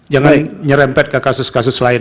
jangan nyerempet ke kasus kasus lain